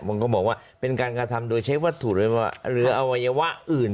มันก็บอกว่าเป็นการกระทำโดยใช้วัตถุหรืออวัยวะอื่น